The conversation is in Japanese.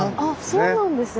そうなんですね。